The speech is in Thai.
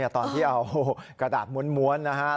ตอนที่เอากระดาษม้วนนะครับ